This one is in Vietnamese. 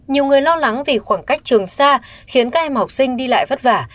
nhiều người lo lắng vì khoảng cách trường xa khiến các em học sinh đi lại vất vả